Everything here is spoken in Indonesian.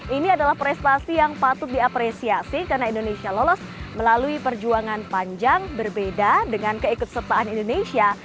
ini adalah prestasi yang patut diapresiasi karena indonesia lolos melalui perjuangan panjang berbeda dengan keikutsertaan indonesia